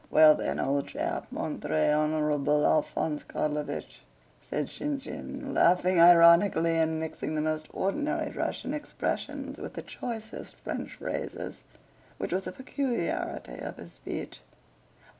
"Well, then, old chap, mon très honorable Alphonse Kárlovich," said Shinshín, laughing ironically and mixing the most ordinary Russian expressions with the choicest French phrases—which was a peculiarity of his speech.